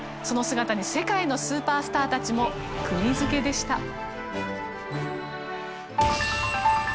その姿に世界のスーパースターたちも釘づけでした。